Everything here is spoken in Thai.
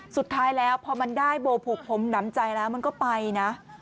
สุดท้ายแล้วพอมันได้โบผูกผมหนำใจแล้วมันก็ไปนะ